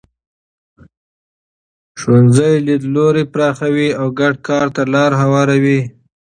ښوونځي لیدلوري پراخوي او ګډ کار ته لاره هواروي.